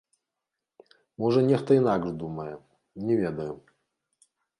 Можа нехта інакш думае, не ведаю.